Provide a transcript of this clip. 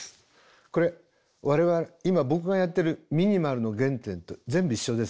これ今僕がやってるミニマルの原点と全部一緒です。